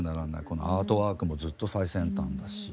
このアートワークもずっと最先端だし。